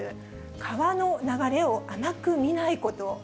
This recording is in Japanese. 川の流れを甘く見ないこと。